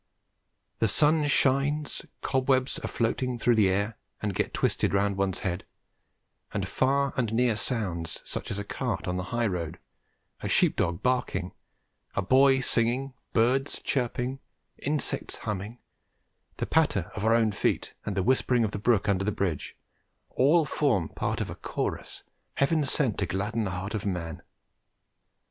The sun shines, cobwebs are floating through the air and get twisted round one's head, and far and near sounds such as a cart on the high road, a sheep dog barking, a boy singing, birds chirping, insects humming, the patter of our own feet, and the whispering of the brook under the bridge, all form part of a chorus heaven sent to gladden the heart of man.